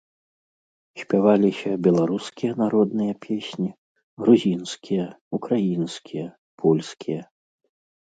Спяваліся беларускія народныя песні, грузінскія, украінскія, польскія.